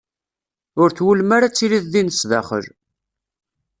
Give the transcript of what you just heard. Ur twulem ara ad tiliḍ din sdaxel.